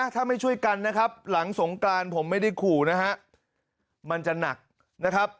ถ้าไม่ช่วยกันนะครับหลังสงกรานผมไม่ได้ขู่นะฮะมันจะหนักนะครับ